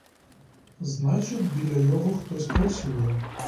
Значить, біля його хтось працює.